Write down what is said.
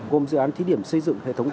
gồm dự án thí điểm xây dựng hệ thống